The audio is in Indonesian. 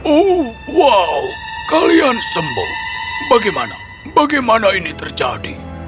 oh wow kalian sembuh bagaimana bagaimana ini terjadi